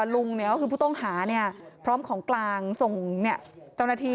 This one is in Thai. ลุงก็คือผู้ต้องหาพร้อมของกลางส่งเจ้าหน้าที่